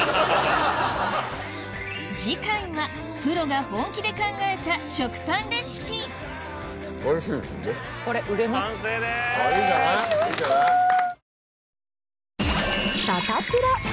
次回はプロが本気で考えた食パンレシピサタプラ。